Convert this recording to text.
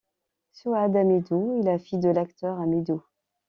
Souad Amidou est la fille de l'acteur Amidou.